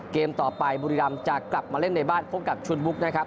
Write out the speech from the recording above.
เกมต่อไปบุรีรำจะกลับมาเล่นในบ้านพบกับชุนมุกนะครับ